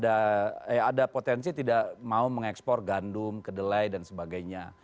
maksudnya negara negara barat itu sudah tidak ada eh ada potensi tidak mau mengekspor gandum kedelai dan sebagainya